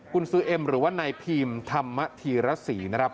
คุณซื้อเอ็มหรือว่านายพีมธรรมธีรศรีนะครับ